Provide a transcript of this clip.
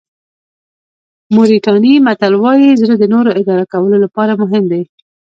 موریتاني متل وایي زړه د نورو اداره کولو لپاره مهم دی.